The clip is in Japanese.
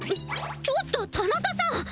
ちょっと田中さん！